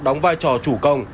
đóng vai trò chủ công